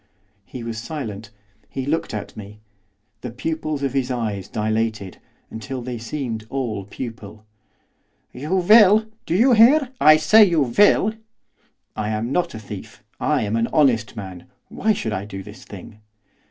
He was silent. He looked at me. The pupils of his eyes dilated, until they seemed all pupil. 'You will. Do you hear? I say you will.' 'I am not a thief, I am an honest man, why should I do this thing?